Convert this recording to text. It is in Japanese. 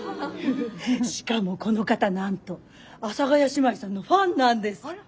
しかもこの方なんと阿佐ヶ谷姉妹さんのファンなんですって。